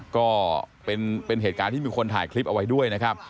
ก็เป็นเหตุการณ์ที่มีคนถ่ายคลิปเอาไว้ด้วยนะครับ